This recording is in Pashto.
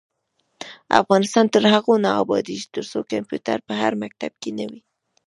افغانستان تر هغو نه ابادیږي، ترڅو کمپیوټر په هر مکتب کې نه وي.